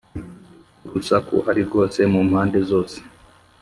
urusaku ari rwose mu mpande zose,